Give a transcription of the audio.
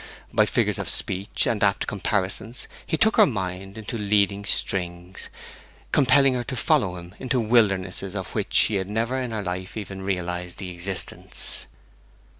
By figures of speech and apt comparisons he took her mind into leading strings, compelling her to follow him into wildernesses of which she had never in her life even realized the existence.